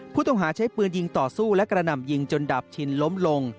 ผู้ต้องหาใช้ปืนยิงต่อสู้และกระหน่ำยิงจนดาบชินล้มลง